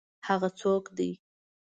هغه څوک دی؟